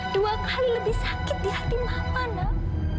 dua kali lebih sakit di hati mama nam